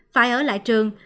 phải ở lại trường